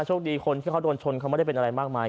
คนที่เขาโดนชนเขาไม่ได้เป็นอะไรมากมาย